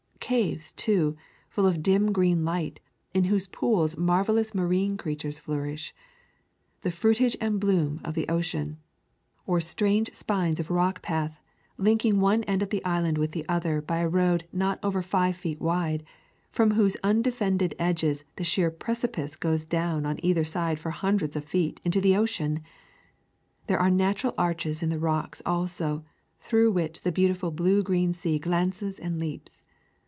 Caves too, full of dim green light, in whose pools marvellous marine creatures flourish "The fruitage and bloom of the Ocean," or strange spines of rock path linking one end of the island with the other by a road not over five feet wide, from whose undefended edges the sheer precipice goes down on either side for hundreds of feet into the ocean. There are natural arches in the rocks also through which the wonderful blue green sea glances and leaps.